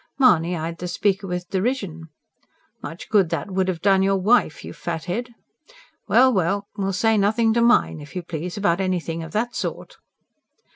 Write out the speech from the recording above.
Mahony eyed the speaker with derision. "Much good that would have done your wife, you fathead! Well, well, we'll say nothing to MINE, if you please, about anything of that sort."